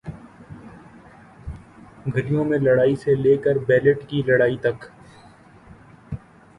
گلیوں میں لڑائی سے لے کر بیلٹ کی لڑائی تک،